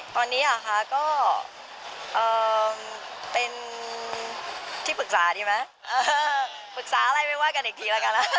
ตอนนี้ค่ะก็เป็นที่ปรึกษาดีไหม